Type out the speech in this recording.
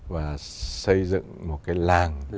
và xây dựng một cái làng morocco